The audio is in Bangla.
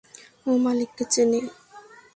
ও মালিককে চেনে।